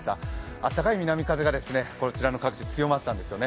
あったかい南風がこちらの各地、強まったんですよね